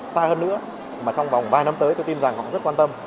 xa hơn nữa mà trong vòng vài năm tới tôi tin rằng họ cũng rất quan tâm